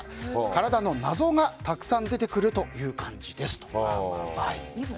体の謎がたくさん出てくるという感じですと。